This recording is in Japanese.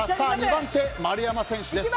２番手、丸山選手です。